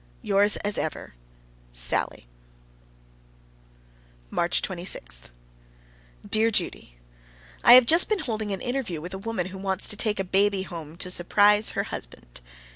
Yours as ever, SALLIE. March 26. My dear Judy: I have just been holding an interview with a woman who wants to take a baby home to surprise her husband.